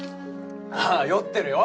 ああ酔ってるよ。